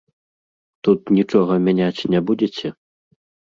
Тут нічога мяняць не будзеце?